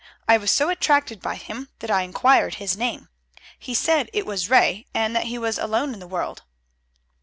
I was so attracted by him that I inquired his name. He said it was Ray, and that he was alone in the world."